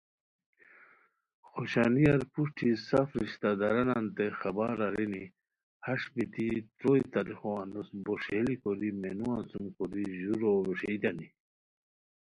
خوشانیار پروشٹی سف رشتہ درانانتین خبر ارینی، ہݰ بیتی تروئے تاریخو انوس بو ݰیلی کوری مینوان سُم کوری ژورو ویݰئیتانی